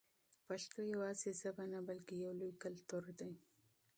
پښتو یوازې ژبه نه بلکې یو لوی کلتور دی.